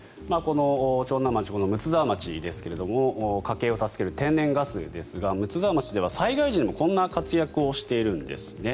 長南町と睦沢町ですが家計を助ける天然ガスですが睦沢町では災害時にもこんな活躍をしているんです。